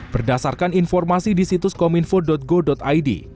berdasarkan informasi di situs kominfo go id